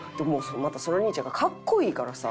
またその兄ちゃんがかっこいいからさ